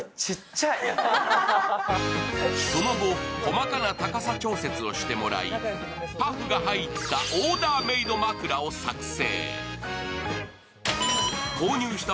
その後、細かな高さ調節をしてもらい、パフが入ったオーダーメード枕を作成。